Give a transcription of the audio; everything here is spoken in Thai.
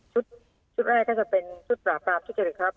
ชุดชุดแรกก็จะเป็นชุดปราปราปชุดเจริตครับ